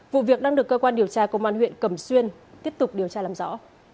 vụ việc đang được cơ quan điều tra công an huyện cẩm xuyên tiếp tục điều tra làm rõ